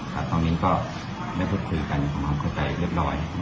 ตอนนี้ก็ได้พูดคุยกันทำความเข้าใจเรียบร้อย